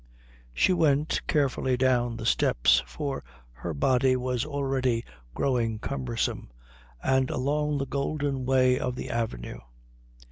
She went carefully down the steps, for her body was already growing cumbersome, and along the golden way of the avenue.